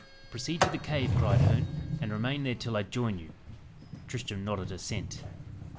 "Proceed to the cave," cried Herne, "and remain there till I join you." Tristram nodded assent.